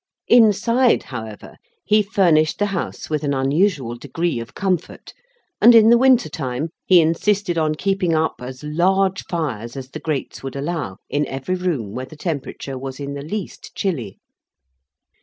Inside, however, he furnished the House with an unusual degree of comfort, and, in the winter time, he insisted on keeping up as large fires as the grates would allow, in every room where the temperature was in the least chilly.